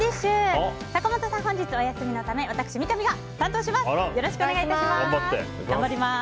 坂本さんは本日お休みのため私、三上が担当します！